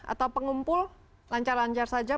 atau pengumpul lancar lancar saja